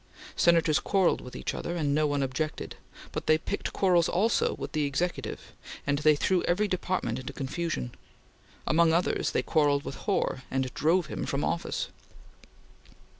Senators quarrelled with each other, and no one objected, but they picked quarrels also with the Executive and threw every Department into confusion. Among others they quarrelled with Hoar, and drove him from office.